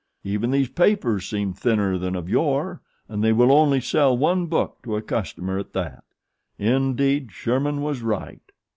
Even these papers seem thinner than of yore and they will only sell one book to a customer at that. Indeed Sherman was right."